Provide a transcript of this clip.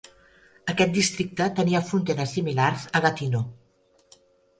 Aquest districte tenia fronteres similars a Gatineau.